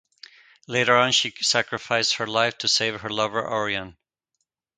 Later on, she sacrificed her life to save her lover Orion.